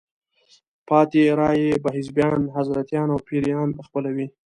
پاتې رایې به حزبیان، حضرتیان او پیران خپلوي.